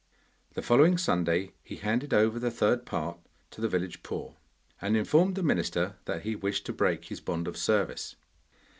The following Sunday he handed over the third part to the village poor, and informed the minister that he wished to break his bond of service.